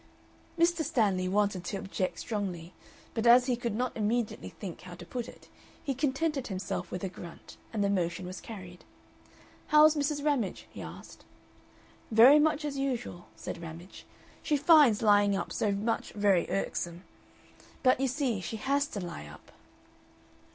Mr. Stanley wanted to object strongly, but as he could not immediately think how to put it, he contented himself with a grunt, and the motion was carried. "How's Mrs. Ramage?" he asked. "Very much as usual," said Ramage. "She finds lying up so much very irksome. But, you see, she HAS to lie up."